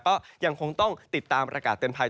ก็ยังคงต้องติดตามประกาศเตือนภัย